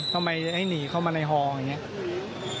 ทำไมไอ้หนีเข้ามาในฮออย่างนี้